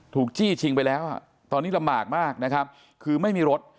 จี้ชิงไปแล้วตอนนี้ลำบากมากนะครับคือไม่มีรถ